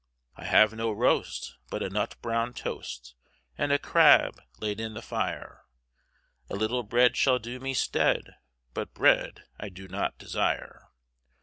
I have no rost, but a nut brawne toste And a crab laid in the fyre; A little breade shall do me steade, Much breade I not desyre.